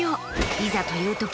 いざというとき